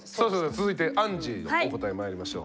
続いてアンジーのお答えまいりましょう。